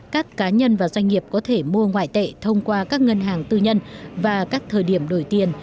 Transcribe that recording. các cá nhân và doanh nghiệp có thể mua ngoại tệ thông qua các ngân hàng tư nhân và các thời điểm đổi tiền